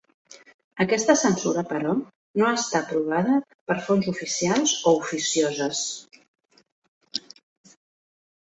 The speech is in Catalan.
Aquesta censura, però, no està provada per fons oficials o oficioses.